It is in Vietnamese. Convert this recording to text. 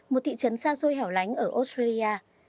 một thị trấn xa xôi hẻo lánh ở australia